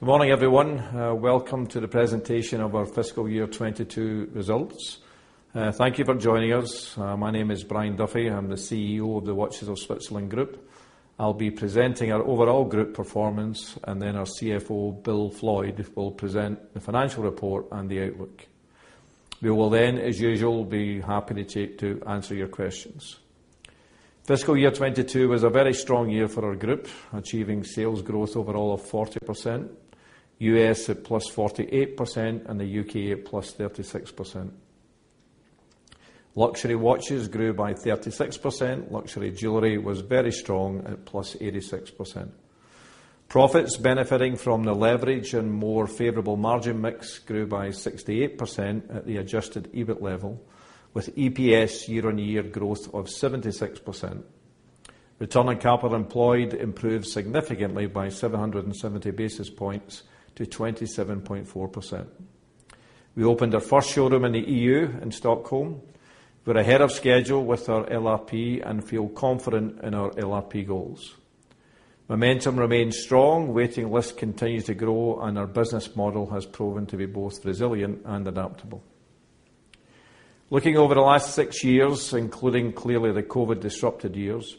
Good morning, everyone. Welcome to the presentation of our Fiscal Year 2022 Results. Thank you for joining us. My name is Brian Duffy. I'm the CEO of the Watches of Switzerland Group. I'll be presenting our overall group performance, and then our CFO, Bill Floydd, will present the financial report and the outlook. We will then, as usual, be happy to answer your questions. Fiscal year 2022 was a very strong year for our group, achieving sales growth overall of 40%, US at +48%, and the UK at +36%. Luxury watches grew by 36%. Luxury jewelry was very strong at +86%. Profits benefiting from the leverage and more favorable margin mix grew by 68% at the adjusted EBIT level, with EPS year-on-year growth of 76%. Return on Capital Employed improved significantly by 770 basis points to 27.4%. We opened our first showroom in the E.U. in Stockholm. We're ahead of schedule with our LRP and feel confident in our LRP goals. Momentum remains strong, waiting list continues to grow, and our business model has proven to be both resilient and adaptable. Looking over the last six years, including clearly the COVID disrupted years,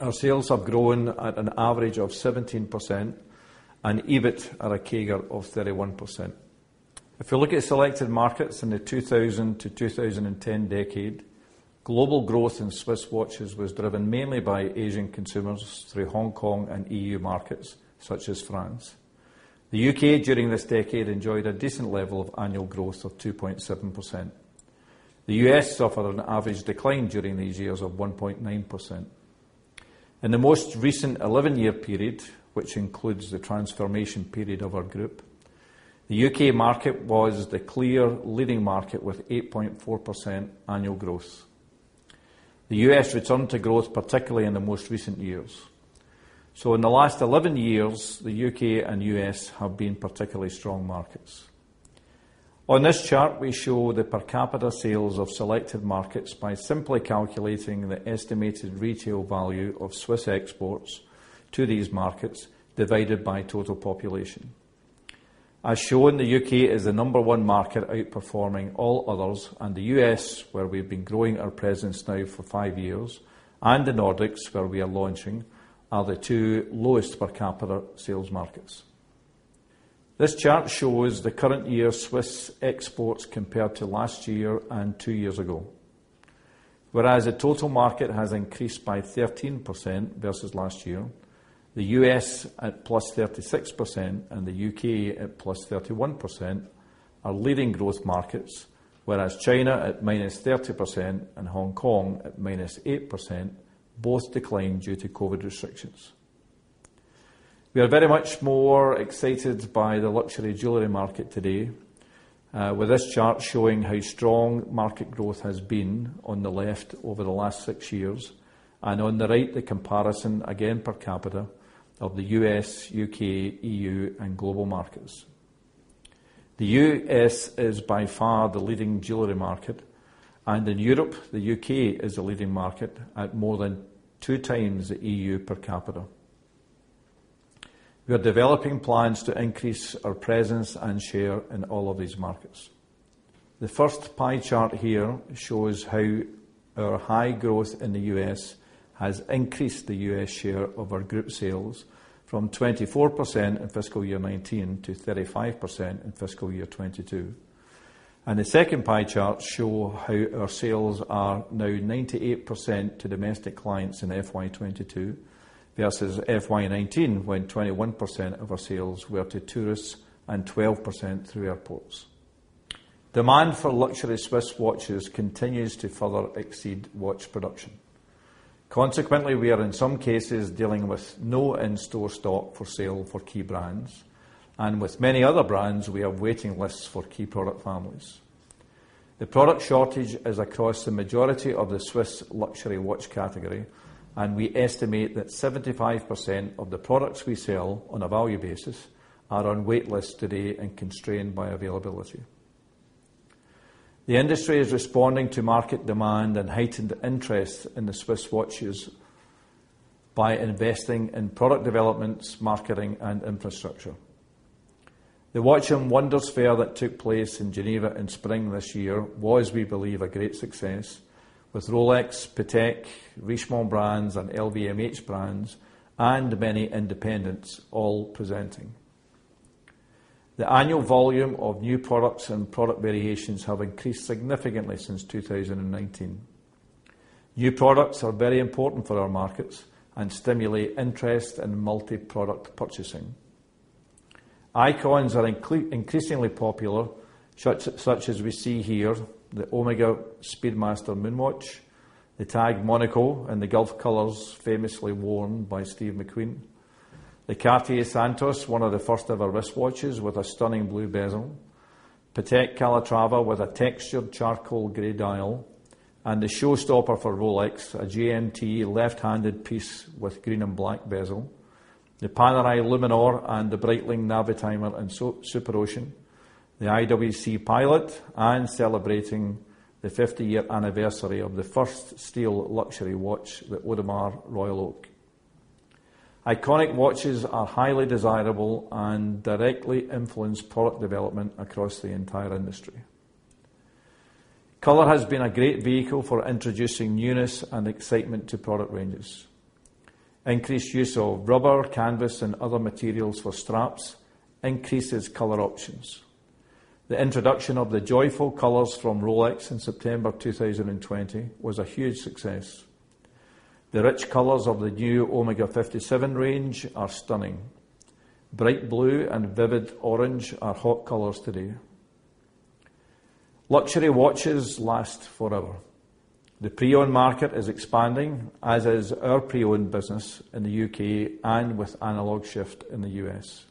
our sales have grown at an average of 17% and EBIT at a CAGR of 31%. If you look at selected markets in the 2000-2010 decade, global growth in Swiss watches was driven mainly by Asian consumers through Hong Kong and E.U. markets such as France. The U.K., during this decade, enjoyed a decent level of annual growth of 2.7%. The U.S. suffered an average decline during these years of 1.9%. In the most recent 11-year period, which includes the transformation period of our group, the U.K. market was the clear leading market with 8.4% annual growth. The U.S. returned to growth, particularly in the most recent years. In the last 11 years, the U.K. and U.S. have been particularly strong markets. On this chart, we show the per capita sales of selected markets by simply calculating the estimated retail value of Swiss exports to these markets divided by total population. As shown, the U.K. is the number one market outperforming all others, and the U.S., where we've been growing our presence now for five years, and the Nordics, where we are launching, are the two lowest per capita sales markets. This chart shows the current year Swiss exports compared to last year and two years ago. Whereas the total market has increased by 13% versus last year, the US at +36% and the UK at +31% are leading growth markets, whereas China at -30% and Hong Kong at -8% both declined due to COVID restrictions. We are very much more excited by the luxury jewelry market today, with this chart showing how strong market growth has been on the left over the last six years and on the right, the comparison, again per capita, of the US, UK, EU, and global markets. The US is by far the leading jewelry market, and in Europe, the UK is a leading market at more than two times the EU per capita. We are developing plans to increase our presence and share in all of these markets. The first pie chart here shows how our high growth in the U.S. has increased the U.S. share of our group sales from 24% in Fiscal Year 2019 to 35% in Fiscal Year 2022. The second pie chart show how our sales are now 98% to domestic clients in FY 2022 versus FY 2019, when 21% of our sales were to tourists and 12% through airports. Demand for luxury Swiss watches continues to further exceed watch production. Consequently, we are in some cases dealing with no in-store stock for sale for key brands, and with many other brands, we have waiting lists for key product families. The product shortage is across the majority of the Swiss luxury watch category, and we estimate that 75% of the products we sell on a value basis are on wait list today and constrained by availability. The industry is responding to market demand and heightened interest in the Swiss watches by investing in product developments, marketing, and infrastructure. The Watches and Wonders fair that took place in Geneva in spring this year was, we believe, a great success with Rolex, Patek, Richemont brands, and LVMH brands, and many independents all presenting. The annual volume of new products and product variations have increased significantly since 2019. New products are very important for our markets and stimulate interest in multi-product purchasing. Icons are increasingly popular, such as we see here, the Omega Speedmaster Moonwatch, the TAG Monaco, and the Gulf Colors famously worn by Steve McQueen, the Cartier Santos, one of the first ever wristwatches with a stunning blue bezel, Patek Calatrava with a textured charcoal gray dial, and the showstopper for Rolex, a GMT left-handed piece with green and black bezel, the Panerai Luminor, the Breitling Navitimer, and Superocean. The IWC Pilot and celebrating the 50-year anniversary of the first steel luxury watch with Audemars Royal Oak. Iconic watches are highly desirable and directly influence product development across the entire industry. Color has been a great vehicle for introducing newness and excitement to product ranges. Increased use of rubber, canvas, and other materials for straps increases color options. The introduction of the joyful colors from Rolex in September 2020 was a huge success. The rich colors of the new Omega Speedmaster '57 range are stunning. Bright blue and vivid orange are hot colors today. Luxury watches last forever. The pre-owned market is expanding, as is our pre-owned business in the UK and with Analog Shift in the US.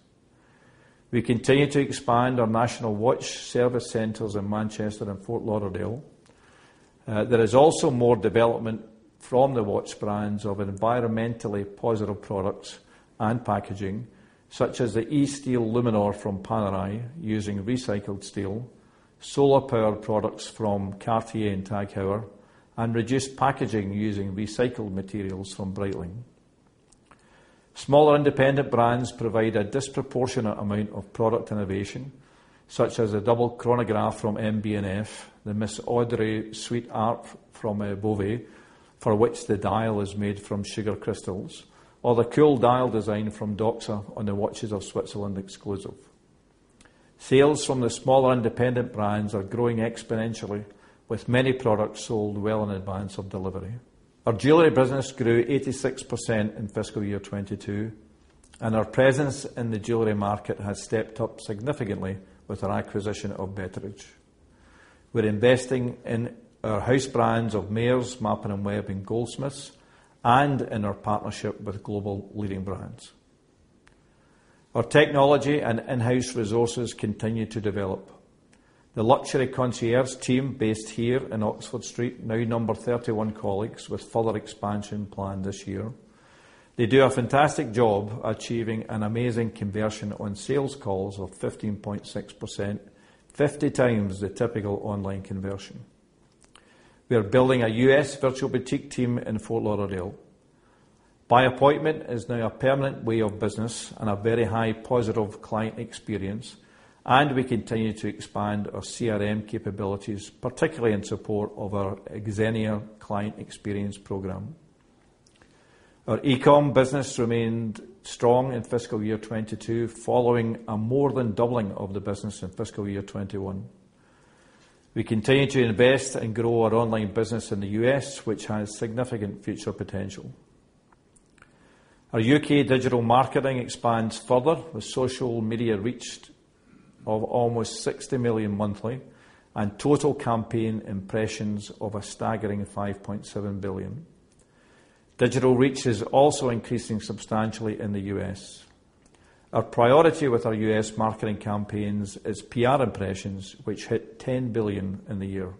We continue to expand our national watch service centers in Manchester and Fort Lauderdale. There is also more development from the watch brands of environmentally positive products and packaging, such as the eSteel Luminor from Panerai using recycled steel, solar-powered products from Cartier and TAG Heuer, and reduced packaging using recycled materials from Breitling. Smaller independent brands provide a disproportionate amount of product innovation, such as a double chronograph from MB&F, the Miss Audrey Sweet Art from a Bovet, for which the dial is made from sugar crystals or the cool dial design from Doxa on the Watches of Switzerland exclusive. Sales from the smaller independent brands are growing exponentially with many products sold well in advance of delivery. Our jewelry business grew 86% in Fiscal Year 2022, and our presence in the jewelry market has stepped up significantly with our acquisition of Betteridge. We're investing in our house brands of Mayors, Mappin & Webb, and Goldsmiths and in our partnership with global leading brands. Our technology and in-house resources continue to develop. The luxury concierge team based here in Oxford Street now number 31 colleagues with further expansion planned this year. They do a fantastic job achieving an amazing conversion on sales calls of 15.6%, 50 times the typical online conversion. We are building a U.S. virtual boutique team in Fort Lauderdale. By appointment is now a permanent way of business and a very high positive client experience, and we continue to expand our CRM capabilities, particularly in support of our Xenia client experience program. Our e-com business remained strong in Fiscal Year 2022 following a more than doubling of the business in Fiscal Year 2021. We continue to invest and grow our online business in the U.S., which has significant future potential. Our U.K. digital marketing expands further with social media reach of almost 60 million monthly and total campaign impressions of a staggering 5.7 billion. Digital reach is also increasing substantially in the U.S. Our priority with our U.S. marketing campaigns is PR impressions, which hit 10 billion in the year.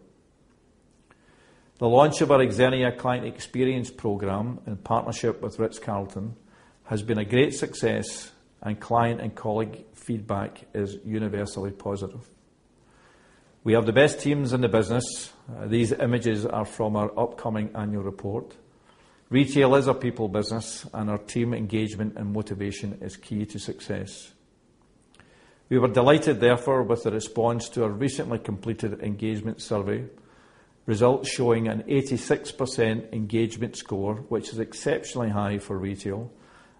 The launch of our Xenia client experience program in partnership with The Ritz-Carlton has been a great success, and client and colleague feedback is universally positive. We have the best teams in the business. These images are from our upcoming annual report. Retail is a people business, and our team engagement and motivation is key to success. We were delighted, therefore, with the response to our recently completed engagement survey, results showing an 86% engagement score, which is exceptionally high for retail,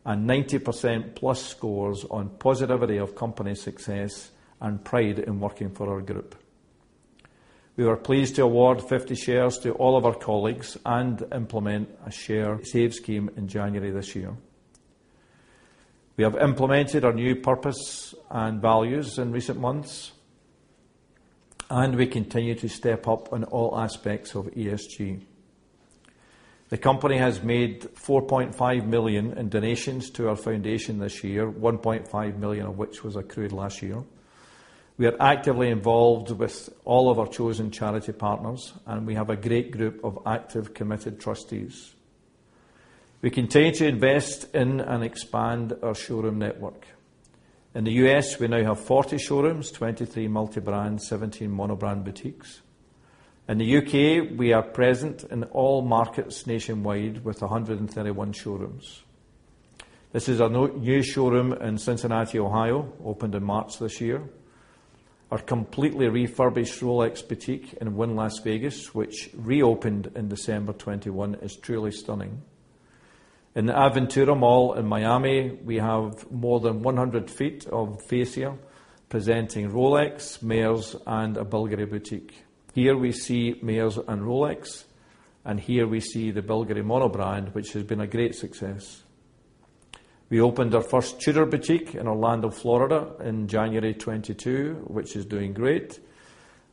and 90% plus scores on positivity of company success and pride in working for our group. We are pleased to award 50 shares to all of our colleagues and implement a Sharesave scheme in January this year. We have implemented our new purpose and values in recent months, and we continue to step up on all aspects of ESG. The company has made 4.5 million in donations to our foundation this year, 1.5 million of which was accrued last year. We are actively involved with all of our chosen charity partners, and we have a great group of active, committed trustees. We continue to invest in and expand our showroom network. In the U.S., we now have 40 showrooms, 23 multi-brand, 17 monobrand boutiques. In the U.K., we are present in all markets nationwide with 131 showrooms. This is our new showroom in Cincinnati, Ohio, opened in March this year. Our completely refurbished Rolex boutique in Wynn Las Vegas, which reopened in December 2021, is truly stunning. In the Aventura Mall in Miami, we have more than 100 feet of fascia presenting Rolex, Mayors, and a Bulgari boutique. Here we see Mayors and Rolex, and here we see the Bulgari mono brand, which has been a great success. We opened our first Tudor boutique in Orlando, Florida in January 2022, which is doing great.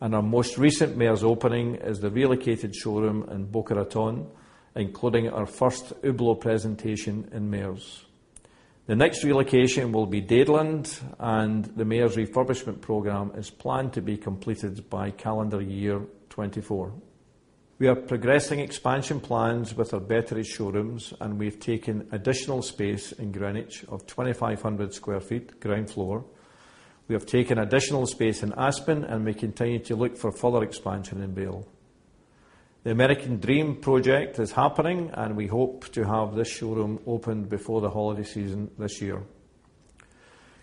Our most recent Mayors opening is the relocated showroom in Boca Raton, including our first Hublot presentation in Mayors. The next relocation will be Dadeland, and the Mayors refurbishment program is planned to be completed by Calendar Year 2024. We are progressing expansion plans with our Betteridge showrooms, and we've taken additional space in Greenwich of 2,500 sq ft ground floor. We have taken additional space in Aspen, and we continue to look for further expansion in Vail. The American Dream project is happening, and we hope to have this showroom open before the holiday season this year.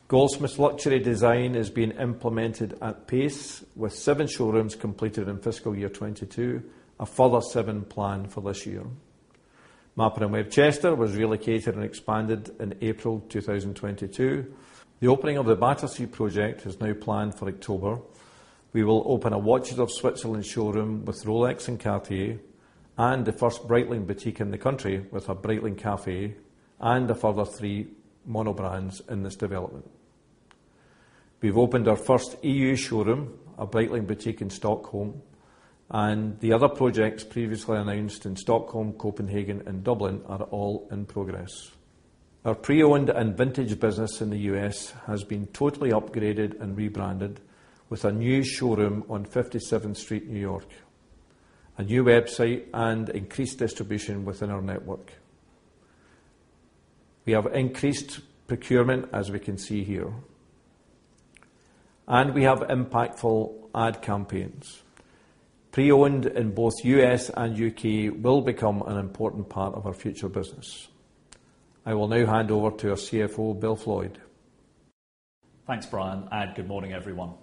Goldsmiths Luxury design is being implemented at pace, with seven showrooms completed in Fiscal Year 2022, a further seven planned for this year. Mappin in Manchester was relocated and expanded in April 2022. The opening of the Battersea project is now planned for October. We will open a Watches of Switzerland showroom with Rolex and Cartier, and the first Breitling boutique in the country with a Breitling Café, and a further three monobrand in this development. We've opened our first EU showroom, a Breitling boutique in Stockholm, and the other projects previously announced in Stockholm, Copenhagen and Dublin are all in progress. Our pre-owned and vintage business in the U.S. has been totally upgraded and rebranded with a new showroom on 57th Street, New York, a new website and increased distribution within our network. We have increased procurement, as we can see here, and we have impactful ad campaigns. Pre-owned in both U.S. and U.K. will become an important part of our future business. I will now hand over to our CFO, Bill Floydd. Thanks, Brian. Good morning, everyone.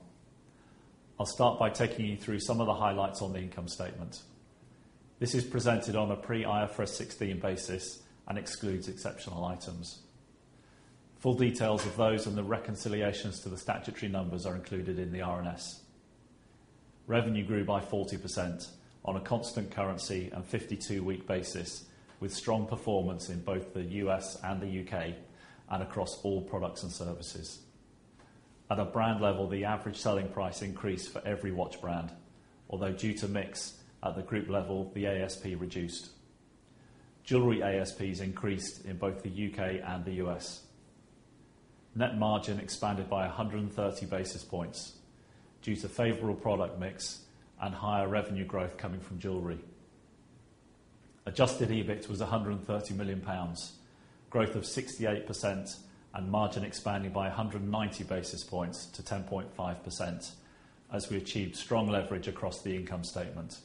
I'll start by taking you through some of the highlights on the income statement. This is presented on a pre IFRS 16 basis and excludes exceptional items. Full details of those and the reconciliations to the statutory numbers are included in the RNS. Revenue grew by 40% on a constant currency and 52-week basis, with strong performance in both the U.S. and the U.K. and across all products and services. At a brand level, the average selling price increased for every watch brand, although due to mix at the group level, the ASP reduced. Jewelry ASPs increased in both the U.K. and the U.S. Net margin expanded by 130 basis points due to favorable product mix and higher revenue growth coming from jewelry. Adjusted EBIT was 130 million pounds, growth of 68% and margin expanding by 190 basis points to 10.5% as we achieved strong leverage across the income statement.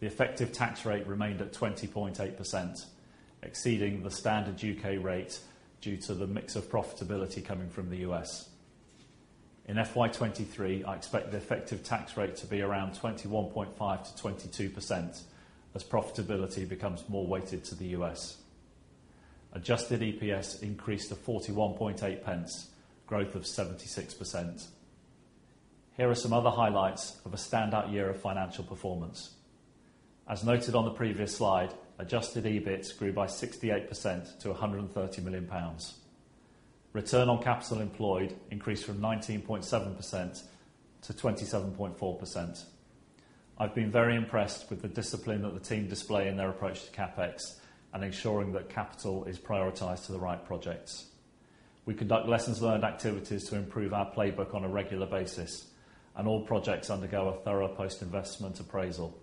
The effective tax rate remained at 20.8%, exceeding the standard UK rate due to the mix of profitability coming from the US. In FY 2023, I expect the effective tax rate to be around 21.5%-22% as profitability becomes more weighted to the US. Adjusted EPS increased to 41.8 pence, growth of 76%. Here are some other highlights of a standout year of financial performance. As noted on the previous slide, adjusted EBIT grew by 68% to 130 million pounds. Return on capital employed increased from 19.7% to 27.4%. I've been very impressed with the discipline that the team display in their approach to CapEx and ensuring that capital is prioritized to the right projects. We conduct lessons learned activities to improve our playbook on a regular basis, and all projects undergo a thorough post-investment appraisal.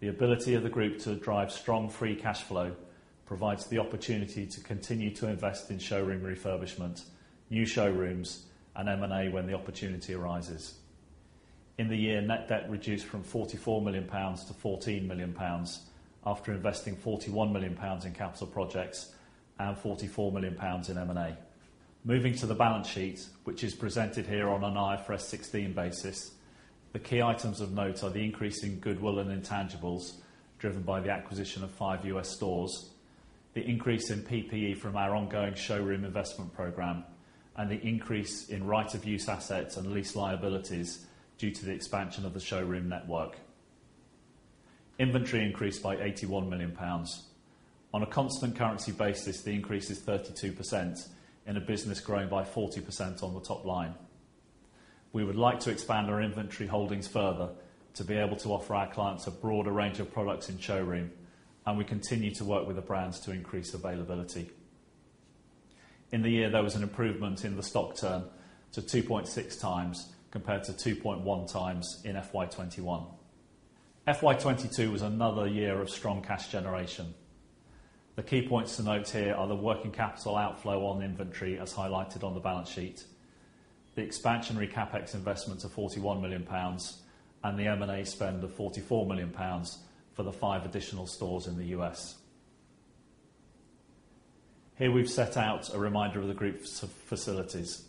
The ability of the group to drive strong Free Cash Flow provides the opportunity to continue to invest in showroom refurbishment, new showrooms and M&A when the opportunity arises. In the year, net debt reduced from 44 million pounds to 14 million pounds after investing 41 million pounds in capital projects and 44 million pounds in M&A. Moving to the balance sheet, which is presented here on an IFRS 16 basis, the key items of note are the increase in goodwill and intangibles driven by the acquisition of five US stores, the increase in PPE from our ongoing showroom investment program, and the increase in right-of-use assets and lease liabilities due to the expansion of the showroom network. Inventory increased by 81 million pounds. On a constant currency basis, the increase is 32% in a business growing by 40% on the top line. We would like to expand our inventory holdings further to be able to offer our clients a broader range of products in showroom, and we continue to work with the brands to increase availability. In the year, there was an improvement in the stock turn to 2.6 times compared to 2.1 times in FY 2021. FY 2022 was another year of strong cash generation. The key points to note here are the working capital outflow on inventory, as highlighted on the balance sheet, the expansionary CapEx investments of 41 million pounds, and the M&A spend of 44 million pounds for the five additional stores in the US. Here we've set out a reminder of the group's facilities.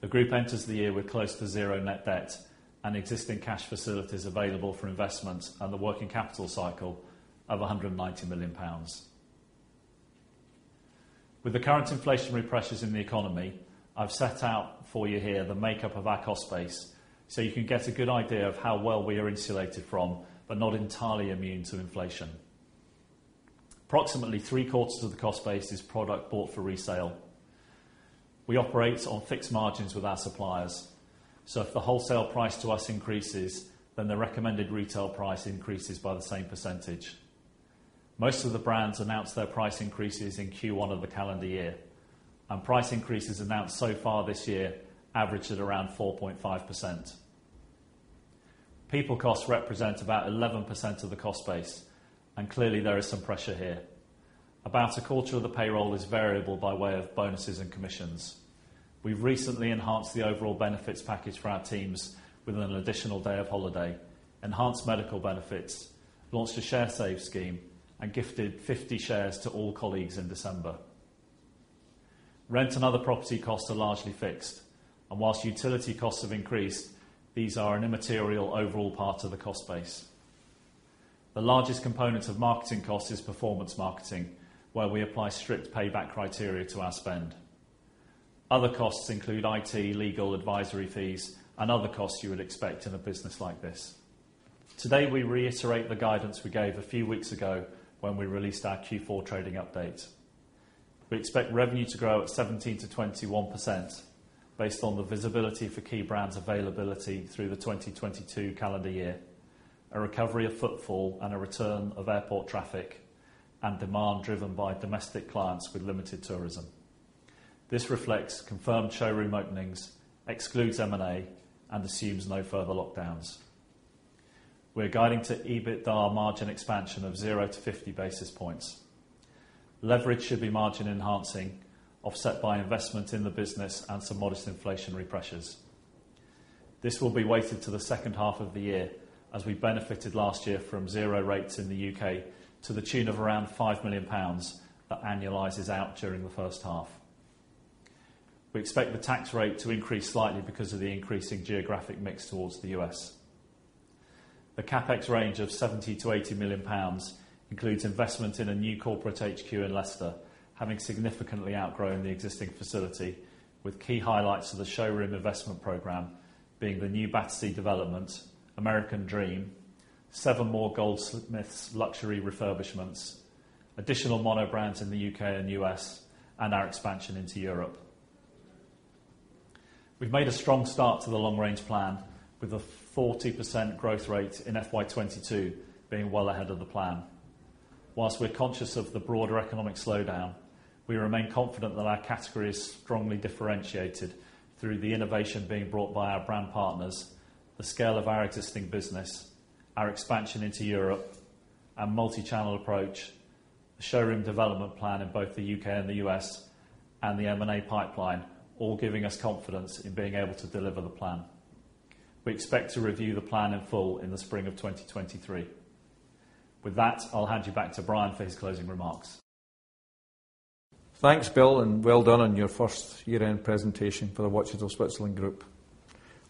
The group enters the year with close to zero net debt and existing cash facilities available for investment and the working capital cycle of 190 million pounds. With the current inflationary pressures in the economy, I've set out for you here the makeup of our cost base so you can get a good idea of how well we are insulated from, but not entirely immune to inflation. Approximately three-quarters of the cost base is product bought for resale. We operate on fixed margins with our suppliers, so if the wholesale price to us increases, then the recommended retail price increases by the same percentage. Most of the brands announced their price increases in Q1 of the calendar year, and price increases announced so far this year averaged at around 4.5%. People costs represent about 11% of the cost base and clearly there is some pressure here. About a quarter of the payroll is variable by way of bonuses and commissions. We've recently enhanced the overall benefits package for our teams with an additional day of holiday, enhanced medical benefits, launched a Sharesave scheme and gifted 50 shares to all colleagues in December. Rent and other property costs are largely fixed, and while utility costs have increased, these are an immaterial overall part of the cost base. The largest component of marketing costs is performance marketing, where we apply strict payback criteria to our spend. Other costs include IT, legal, advisory fees and other costs you would expect in a business like this. Today, we reiterate the guidance we gave a few weeks ago when we released our Q4 trading update. We expect revenue to grow at 17%-21% based on the visibility for key brands availability through the 2022 Calendar Year, a recovery of footfall and a return of airport traffic and demand driven by domestic clients with limited tourism. This reflects confirmed showroom openings, excludes M&A and assumes no further lockdowns. We're guiding to EBITDA margin expansion of 0-50 basis points. Leverage should be margin enhancing, offset by investment in the business and some modest inflationary pressures. This will be weighted to the second half of the year as we benefited last year from zero rates in the U.K. to the tune of around 5 million pounds that annualizes out during the first half. We expect the tax rate to increase slightly because of the increasing geographic mix towards the U.S. The CapEx range of 70 million-80 million pounds includes investment in a new corporate H.Q. in Leicester, having significantly outgrown the existing facility, with key highlights of the showroom investment program being the new Battersea development, American Dream, seven more Goldsmiths Luxury refurbishments, additional monobrands in the U.K. and U.S., and our expansion into Europe. We've made a strong start to the long range plan with a 40% growth rate in FY 2022 being well ahead of the plan. While we're conscious of the broader economic slowdown, we remain confident that our category is strongly differentiated through the innovation being brought by our brand partners, the scale of our existing business, our expansion into Europe, our multi-channel approach, the showroom development plan in both the UK and the US, and the M&A pipeline all giving us confidence in being able to deliver the plan. We expect to review the plan in full in the spring of 2023. With that, I'll hand you back to Brian for his closing remarks. Thanks, Bill, and well done on your first year-end presentation for the Watches of Switzerland Group.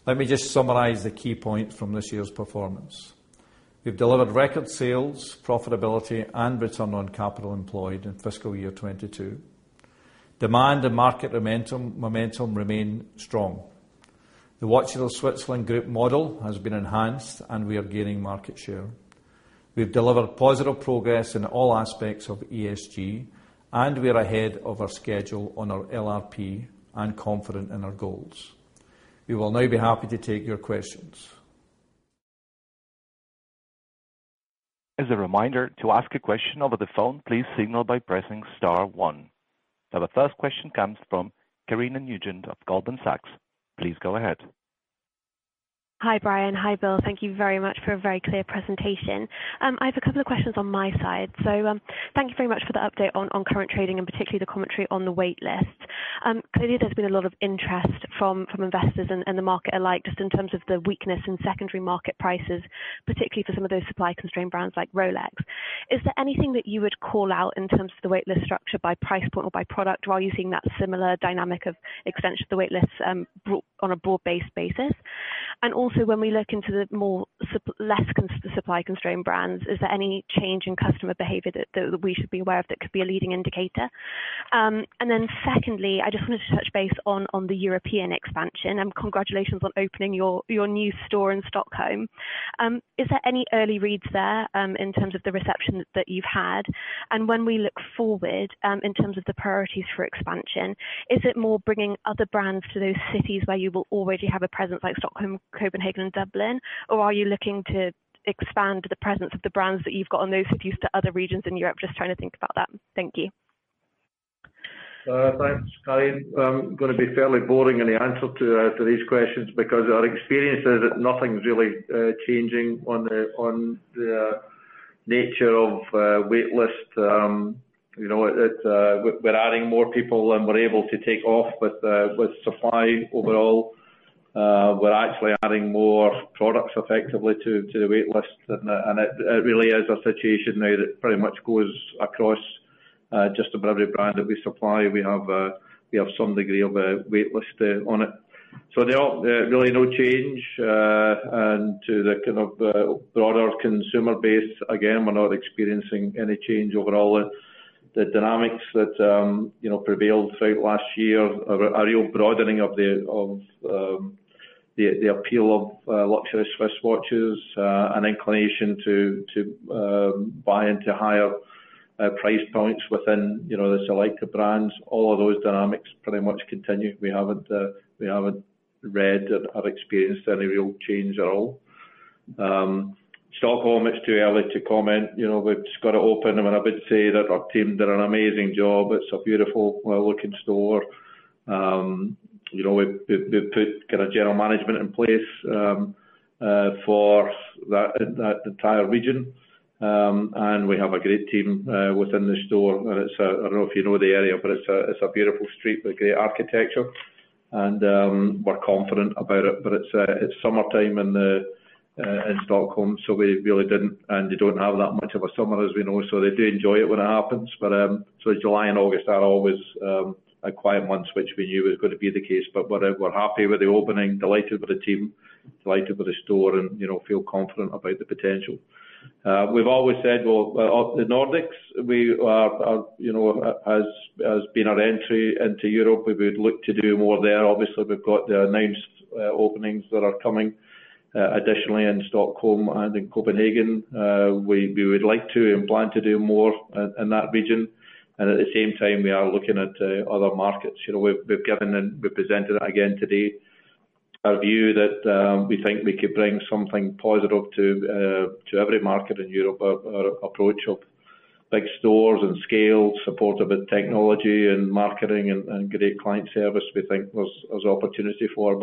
Let me just summarize the key points from this year's performance. We've delivered record sales, profitability and return on capital employed in Fiscal Year 2022. Demand and market momentum remain strong. The Watches of Switzerland Group model has been enhanced and we are gaining market share. We've delivered positive progress in all aspects of ESG, and we are ahead of our schedule on our LRP and confident in our goals. We will now be happy to take your questions. As a reminder, to ask a question over the phone, please signal by pressing Star one. Now, the first question comes from Karina Nugent of Goldman Sachs. Please go ahead. Hi, Brian. Hi, Bill. Thank you very much for a very clear presentation. I have a couple of questions on my side. Thank you very much for the update on current trading and particularly the commentary on the wait list. Clearly there's been a lot of interest from investors and the market alike just in terms of the weakness in secondary market prices, particularly for some of those supply constrained brands like Rolex. Is there anything that you would call out in terms of the wait list structure by price point or by product, while using that similar dynamic of extension to wait lists, on a broad-based basis? When we look into the more supply constrained brands, is there any change in customer behavior that we should be aware of that could be a leading indicator? Then secondly, I just wanted to touch base on the European expansion and congratulations on opening your new store in Stockholm. Is there any early reads there, in terms of the reception that you've had? When we look forward, in terms of the priorities for expansion, is it more bringing other brands to those cities where you will already have a presence like Stockholm, Copenhagen, and Dublin? Or are you looking to expand the presence of the brands that you've got on those cities to other regions in Europe? Just trying to think about that. Thank you. Thanks, Karina. I'm gonna be fairly boring in the answer to these questions because our experience is that nothing's really changing on the nature of wait list. You know, we're adding more people than we're able to take off with supply overall. We're actually adding more products effectively to the wait list and it really is a situation now that pretty much goes across just about every brand that we supply. We have some degree of a wait list on it. So they all really no change and to the kind of broader consumer base, again, we're not experiencing any change overall. The dynamics that you know prevailed throughout last year are a real broadening of the appeal of luxury Swiss watches, an inclination to buy into higher price points within you know the selected brands. All of those dynamics pretty much continue. We haven't really experienced any real change at all. Stockholm, it's too early to comment. You know, we've just got it open. I mean, I would say that our team did an amazing job. It's a beautiful well-located store. You know, we put kind of general management in place for that entire region. We have a great team within the store. It's a beautiful street with great architecture and we're confident about it. It's summertime in Stockholm, so we really didn't, and they don't have that much of a summer as we know, so they do enjoy it when it happens. July and August are always quiet months, which we knew was gonna be the case. We're happy with the opening, delighted with the team, delighted with the store and, you know, feel confident about the potential. We've always said the Nordics you know has been our entry into Europe. We would look to do more there. Obviously, we've got the announced openings that are coming additionally in Stockholm and in Copenhagen. We would like to and plan to do more in that region. At the same time, we are looking at other markets. You know, we've given and we presented again today our view that we think we could bring something positive to every market in Europe. Our approach of big stores and scale supported with technology and marketing and great client service we think there's opportunity for.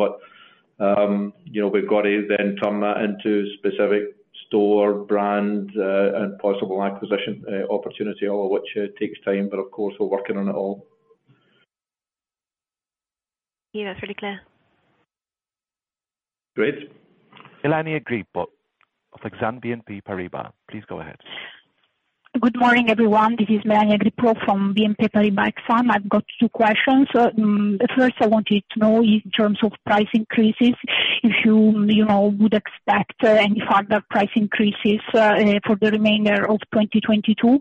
You know, we've got to then turn that into specific store brand and possible acquisition opportunity, all which takes time, but of course we're working on it all. Yeah, it's really clear. Great. Melania Grippo of Exane BNP Paribas, please go ahead. Good morning, everyone. This is Melania Grippo from BNP Paribas Exane. I've got two questions. First, I wanted to know in terms of price increases, if you know, would expect any further price increases for the remainder of 2022.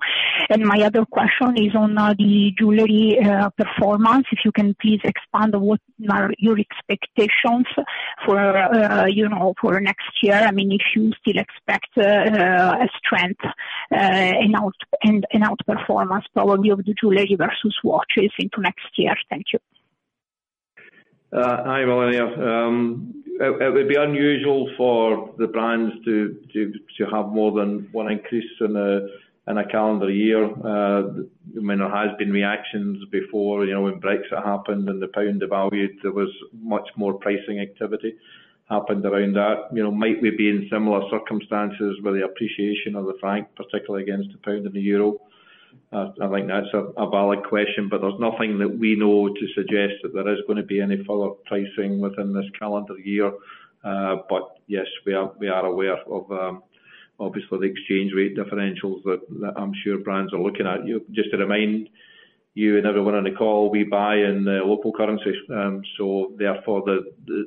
My other question is on the jewelry performance. If you can please expand what are your expectations for, you know, for next year. I mean, if you still expect a strength in outperformance probably of the jewelry versus watches into next year. Thank you. Hi, Melania. It would be unusual for the brands to have more than one increase in a calendar year. I mean, there has been reactions before, you know, when Brexit happened and the pound devalued, there was much more pricing activity happened around that. You know, might we be in similar circumstances with the appreciation of the franc, particularly against the pound and the euro? I think that's a valid question, but there's nothing that we know to suggest that there is gonna be any further pricing within this calendar year. Yes, we are aware of obviously the exchange rate differentials that I'm sure brands are looking at. You know, just to remind you and everyone on the call, we buy in the local currencies. Therefore the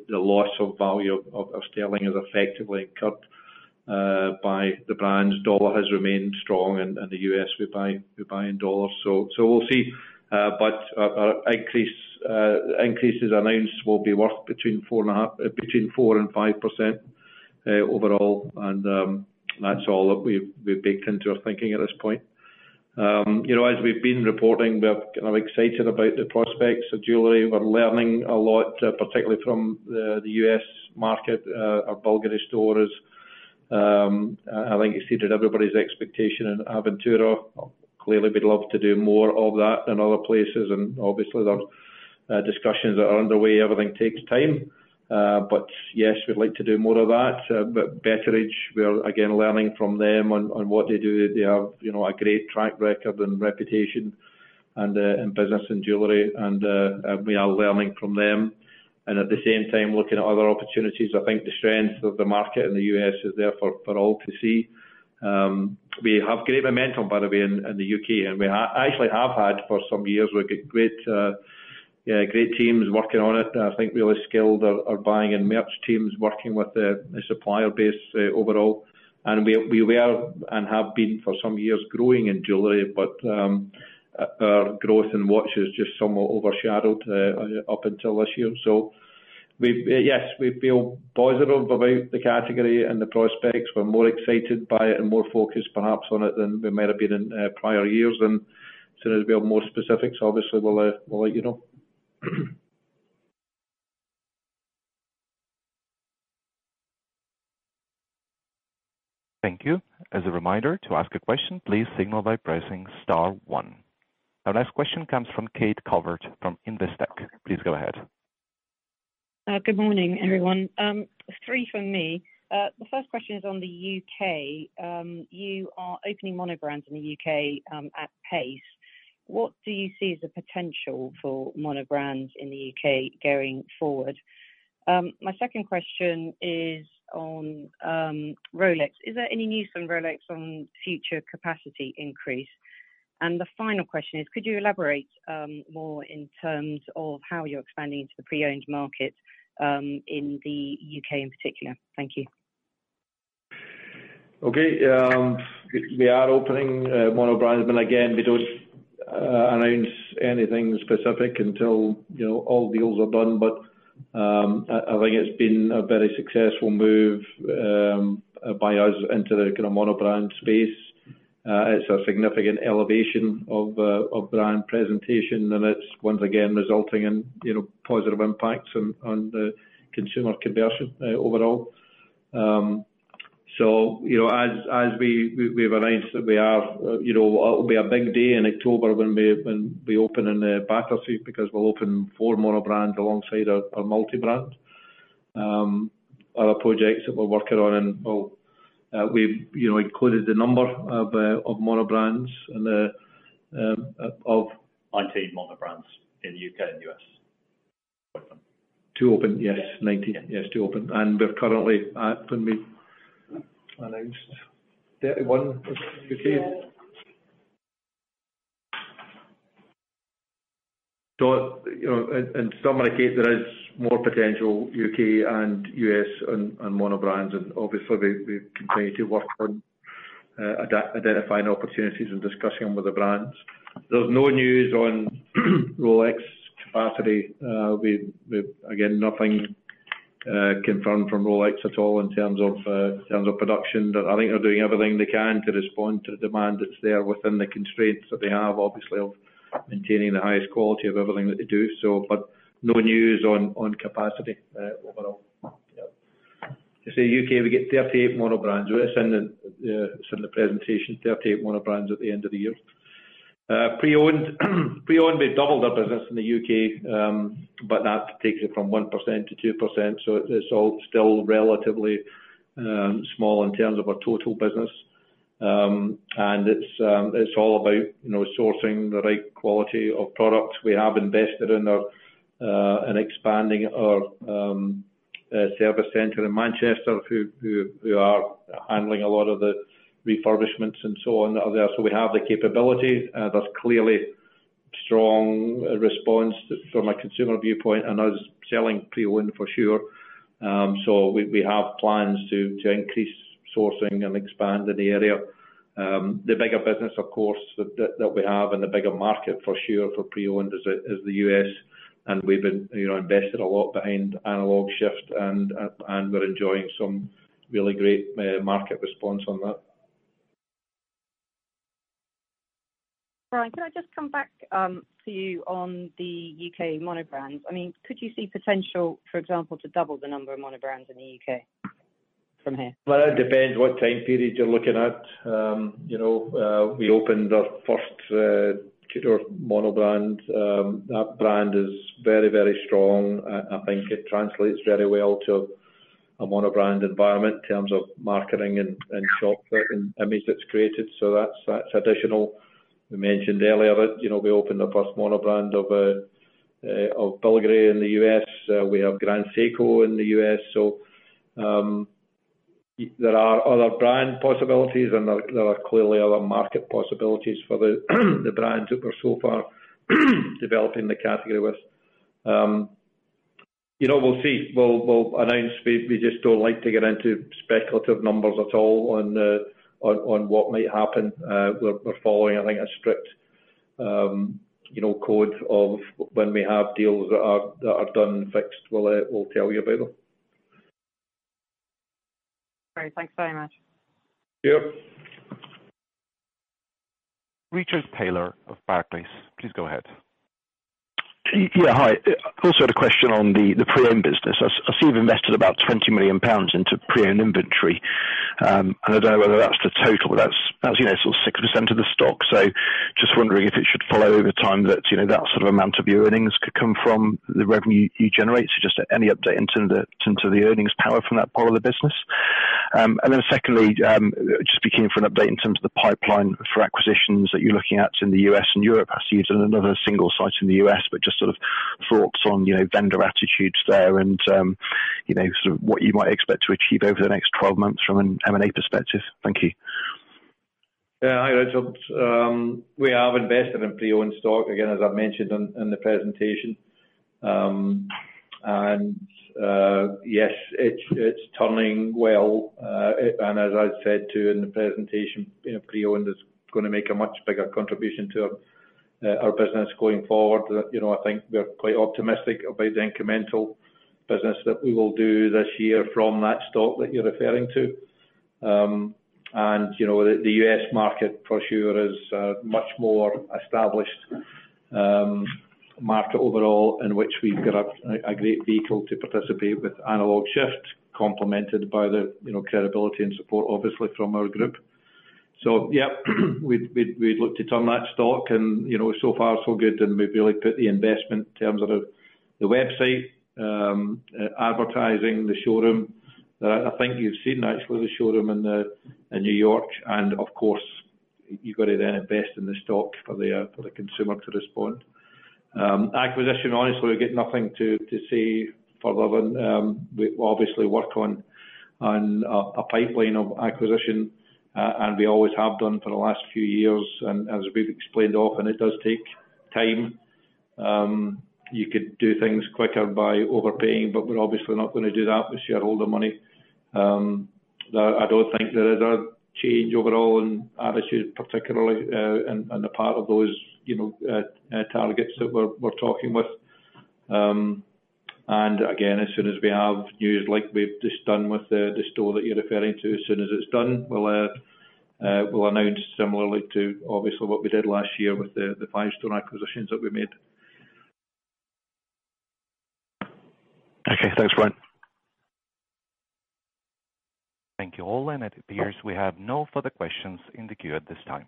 loss of value of sterling is effectively cut by the brands. The dollar has remained strong in the U.S. We buy in dollars. We'll see. Our increases announced will be worth between 4%-5% overall. That's all that we've baked into our thinking at this point. You know, as we've been reporting, we're kind of excited about the prospects of jewelry. We're learning a lot, particularly from the U.S. market, our Bulgari stores. I think exceeded everybody's expectation in Aventura. Clearly we'd love to do more of that in other places, and obviously there are discussions that are underway. Everything takes time. Yes, we'd like to do more of that. Betteridge, we are again learning from them on what they do. They have, you know, a great track record and reputation and in business and jewelry and we are learning from them. At the same time looking at other opportunities, I think the strength of the market in the U.S. is there for all to see. We have great momentum by the way in the U.K. We actually have had for some years. We've got great teams working on it. I think really skilled buying and merch teams, working with the supplier base overall. We were and have been for some years growing in jewelry, but our growth in watches just somewhat overshadowed up until this year. Yes, we feel positive about the category and the prospects. We're more excited by it and more focused perhaps on it than we might have been in prior years. As soon as we have more specifics, obviously we'll let you know. Thank you. As a reminder, to ask a question, please signal by pressing Star one. Our next question comes from Kate Calvert from Investec. Please go ahead. Good morning, everyone. Three from me. The first question is on the UK. You are opening monobrands in the UK, at pace. What do you see as the potential for monobrands in the UK going forward? My second question is on, Rolex. Is there any news from Rolex on future capacity increase? The final question is, could you elaborate, more in terms of how you're expanding into the pre-owned market, in the UK in particular? Thank you. Okay. We are opening monobrands, but again, we don't announce anything specific until, you know, all deals are done. I think it's been a very successful move by us into the kind of monobrand space. It's a significant elevation of brand presentation, and it's once again resulting in, you know, positive impacts on the consumer conversion overall. You know, we've arranged that we are, you know, it'll be a big day in October when we open in Battersea because we'll open four monobrand alongside our multi-brand. Other projects that we're working on and we've included the number of monobrands and 19 monobrands in U.K. and U.S. To open, yes. Yes. 19. Yes, to open. We're currently at, when we announced 31, was it UK? Yes. In summary, as there is more potential in the UK and US on monobrands and obviously we continue to work on identifying opportunities and discussing with the brands. There's no news on Rolex capacity. We've again nothing confirmed from Rolex at all in terms of production. But I think they're doing everything they can to respond to the demand that's there within the constraints that they have, obviously, of maintaining the highest quality of everything that they do. No news on capacity overall. As for UK, we get 38 monobrands. We'll send the presentation, 38 monobrands at the end of the year. Pre-owned, we've doubled our business in the UK. That takes it from 1% to 2%, so it is all still relatively small in terms of our total business. It's all about, you know, sourcing the right quality of products. We have invested in expanding our service center in Manchester who are handling a lot of the refurbishments and so on are there. We have the capability. There's clearly strong response from a consumer viewpoint and are selling pre-owned for sure. We have plans to increase sourcing and expand in the area. The bigger business, of course, that we have and the bigger market for sure for pre-owned is the US and we've been, you know, invested a lot behind Analog Shift and we're enjoying some really great market response on that. Brian, can I just come back to you on the UK monobrand? I mean, could you see potential, for example, to double the number of monobrands in the UK from here? Well, it depends what time period you're looking at. You know, we opened our first Tudor monobrand. That brand is very, very strong. I think it translates very well to a monobrand environment in terms of marketing and shop, the image it's created, so that's additional. We mentioned earlier that, you know, we opened the first monobrand of Bulgari in the US. We have Grand Seiko in the US. So, there are other brand possibilities, and there are clearly other market possibilities for the brands that we're so far developing the category with. You know, we'll see. We'll announce. We just don't like to get into speculative numbers at all on what might happen. We're following, I think, a strict, you know, code of when we have deals that are done and fixed, we'll tell you about them. Great. Thanks so much. Yep. Richard Taylor of Barclays, please go ahead. Yeah. Hi. Also had a question on the pre-owned business. I see you've invested about 20 million pounds into pre-owned inventory. I don't know whether that's the total. That's you know, sort of 6% of the stock. Just wondering if it should follow over time that, you know, that sort of amount of your earnings could come from the revenue you generate. Just any update in terms of the earnings power from that part of the business. Then secondly, just be keen for an update in terms of the pipeline for acquisitions that you're looking at in the U.S. and Europe. I see you've got another single site in the U.S., but just sort of thoughts on, you know, vendor attitudes there and, you know, sort of what you might expect to achieve over the next 12 months from an M&A perspective? Thank you. Yeah. Hi, Richard. We have invested in pre-owned stock, again, as I mentioned in the presentation. Yes, it's turning well. As I said too in the presentation, you know, pre-owned is gonna make a much bigger contribution to our business going forward. You know, I think we are quite optimistic about the incremental business that we will do this year from that stock that you're referring to. You know, the U.S. market for sure is a much more established market overall, in which we've got a great vehicle to participate with Analog Shift, complemented by the you know, credibility and support, obviously, from our group. Yeah, we'd look to turn that stock and, you know, so far so good, and we've really put the investment in terms of the website, advertising, the showroom. I think you've seen actually the showroom in New York, and of course, you've got to then invest in the stock for the consumer to respond. Acquisition, honestly, we've got nothing to say further than we obviously work on a pipeline of acquisition and we always have done for the last few years. As we've explained often, it does take time. You could do things quicker by overpaying, but we're obviously not gonna do that with shareholder money. I don't think there is a change overall in attitude, particularly, in the part of those, you know, targets that we're talking with. Again, as soon as we have news like we've just done with the store that you're referring to, as soon as it's done, we'll announce similarly to obviously what we did last year with the five store acquisitions that we made. Okay. Thanks, Brian. Thank you all. It appears we have no further questions in the queue at this time.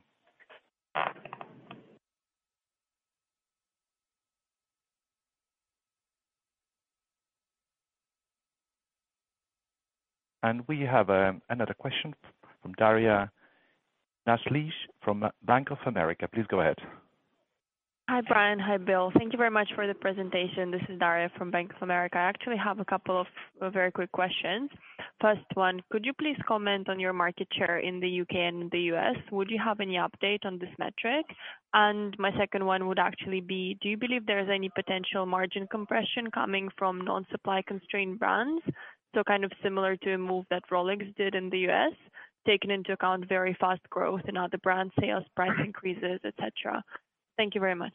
We have another question from Daria Nyshlyadok from Bank of America. Please go ahead. Hi, Brian. Hi, Bill. Thank you very much for the presentation. This is Daria Nyshlyadok from Bank of America. I actually have a couple of very quick questions. First one, could you please comment on your market share in the U.K. and in the U.S.? Would you have any update on this metric? My second one would actually be, do you believe there's any potential margin compression coming from non-supply constrained brands? Kind of similar to a move that Rolex did in the U.S., taking into account very fast growth in other brand sales, price increases, et cetera. Thank you very much.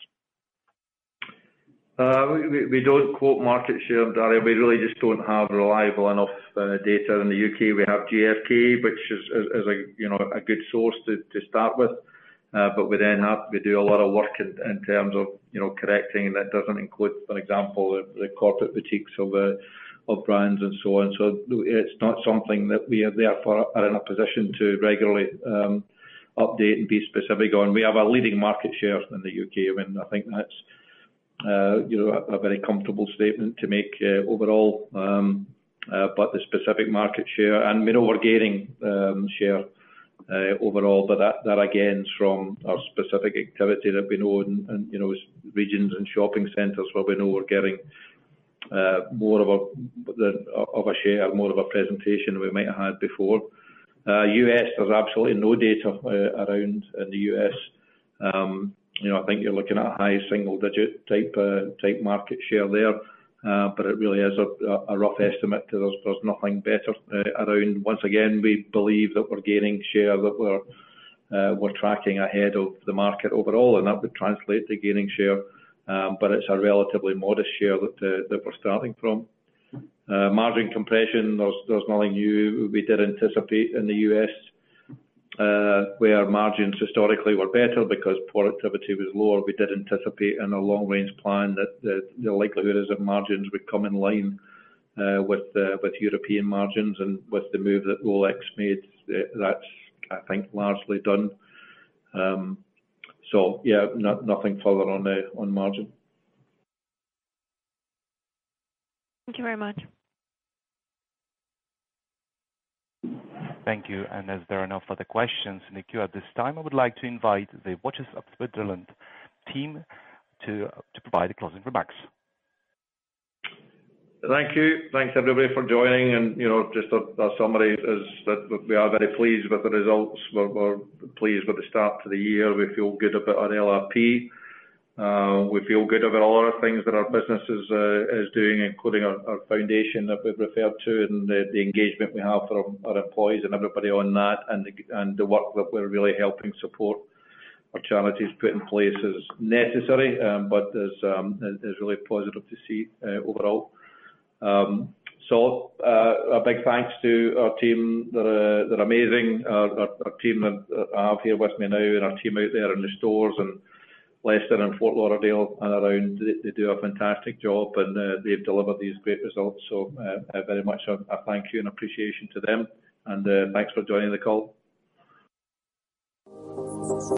We don't quote market share, Daria. We really just don't have reliable enough data. In the UK, we have GfK which is, you know, a good source to start with. We then have to do a lot of work in terms of, you know, correcting, and that doesn't include, for example, the corporate boutiques of brands and so on. It's not something that we are therefore in a position to regularly update and be specific on. We have a leading market share in the UK, and I think that's, you know, a very comfortable statement to make, overall, but the specific market share. We know we're gaining share overall, but that again, from our specific activity that we know and you know, regions and shopping centers where we know we're getting more of a share, more of a presentation we might have had before. US, there's absolutely no data around in the US. You know, I think you're looking at high single-digit type market share there. But it really is a rough estimate. There's nothing better around. Once again, we believe that we're gaining share, that we're tracking ahead of the market overall, and that would translate to gaining share. But it's a relatively modest share that we're starting from. Margin compression, there's nothing new. We did anticipate in the U.S., where our margins historically were better because productivity was lower. We did anticipate in our long range plan that the likelihood is that margins would come in line with European margins and with the move that Rolex made, that's I think largely done. Yeah, nothing further on the margin. Thank you very much. Thank you. As there are no further questions in the queue at this time, I would like to invite the Watches of Switzerland team to provide the closing remarks. Thank you. Thanks, everybody for joining. Just a summary is that we are very pleased with the results. We're pleased with the start to the year. We feel good about our LRP. We feel good about a lot of things that our business is doing, including our foundation that we've referred to and the engagement we have for our employees and everybody on that, and the work that we're really helping support. Our charity's put in place as necessary, but is really positive to see, overall. A big thanks to our team. They're amazing. Our team I have here with me now and our team out there in the stores in Leicester and Fort Lauderdale and around, they do a fantastic job and they've delivered these great results. A very much a thank you and appreciation to them and thanks for joining the call.